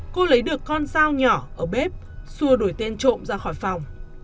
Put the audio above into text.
cô lấy được con dao nhỏ ở bếp xua đổi tên trộm ra khỏi phòng